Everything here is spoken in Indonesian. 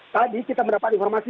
dari keterangan pak jokowi